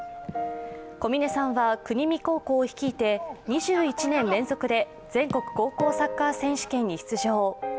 小嶺さんは国見高校を率いて２１年連続で全国高校サッカー選手権に出場。